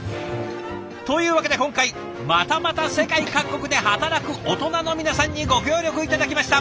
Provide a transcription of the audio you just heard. というわけで今回またまた世界各国で働くオトナの皆さんにご協力頂きました。